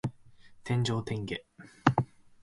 天上天下